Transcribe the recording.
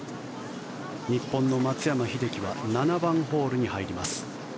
日本の松山英樹は７番ホールに入ります。